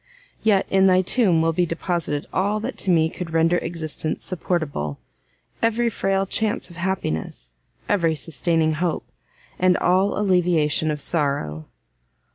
Yet in thy tomb will be deposited all that to me could render existence supportable, every frail chance of happiness, every sustaining hope, and all alleviation of sorrow!"